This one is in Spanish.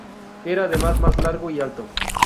Era además más largo y alto.